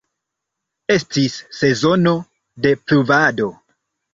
Estis sezono de pluvado.